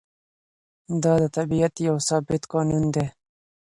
دا د طبیعت یو ثابت قانون دی.